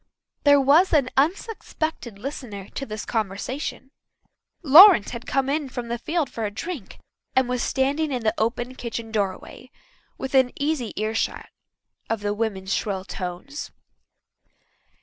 There was an unsuspected listener to this conversation. Lawrence had come in from the field for a drink, and was standing in the open kitchen doorway, within easy earshot of the women's shrill tones.